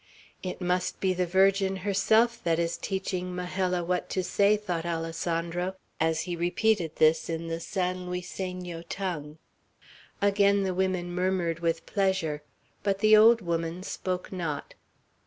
"It must be the Virgin herself that is teaching Majella what to say," thought Alessandro, as he repeated this in the San Luiseno tongue. Again the women murmured pleasure, but the old woman spoke not.